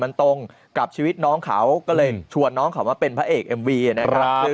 มันตรงกับชีวิตน้องเขาก็เลยชวนน้องเขามาเป็นพระเอกเอ็มวีนะครับ